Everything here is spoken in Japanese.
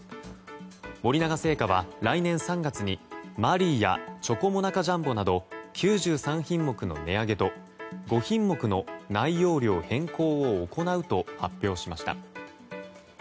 森永製菓は来年３月にマリーやチョコモナカジャンボなど９３品目の値上げと５品目の内容量変更を行うと発表しました。